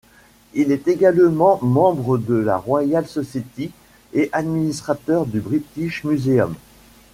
Il était également membre de la Royal Society et administrateur du British Museum.